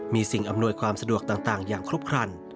มีสิ่งอำนวยความสะดวกต่างอย่างครบครัน